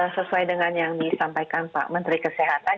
sesuai dengan yang disampaikan pak menteri kesehatan